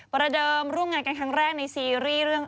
ประเดิมร่วมงานกันครั้งแรกในซีรีส์เรื่อง